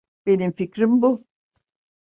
Benim fikrim bu.